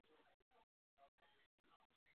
他曾担任瓦赫宁根市议会的成员代表。